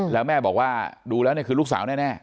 แล้วแม่บอกว่าดูแล้วเนี่ยคือลูกสาวแน่